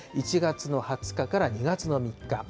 １月の２０日から２月の３日。